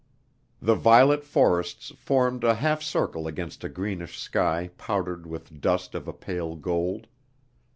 The violet forests formed a half circle against a greenish sky powdered with dust of a pale gold.